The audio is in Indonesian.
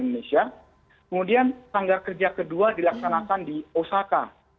nah kemudian sanggar kerja kedua dilaksanakan di osaka